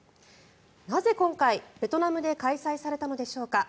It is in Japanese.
なぜ今回、ベトナムで開催されたのでしょうか。